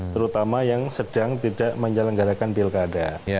terutama yang sedang tidak menyelenggarakan pilkada